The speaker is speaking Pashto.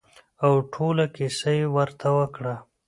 او ټوله کېسه يې ورته وکړه.